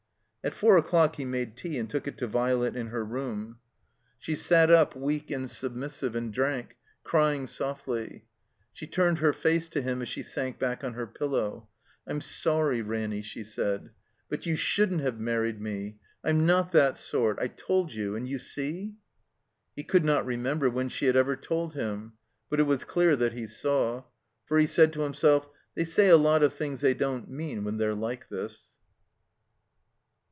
At four o'clock he made tea and took it to Violet in her room. 15 a 19 THE COMBINED MAZE She sat up, weak and submissive, and drank, cry ing softly. She turned her face to him as she sank back on her pillow. "I'm sorry, Ranny," she said; "but you shouldn't have married me. I'm not that sort. I told you; and you see." He. could not remember when she had ever told him. But it was clear that he saw. For he said to himself, "They say a lot of things they don't mean when they're like this."